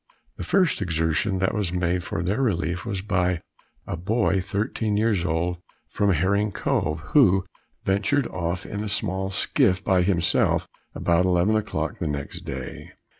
The first exertion that was made for their relief was by a boy thirteen years old, from Herring Cove, who ventured off in a small skiff by himself about eleven o'clock the next day.